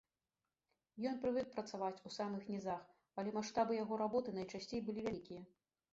Ён прывык працаваць у самых нізах, але маштабы яго работы найчасцей былі вялікія.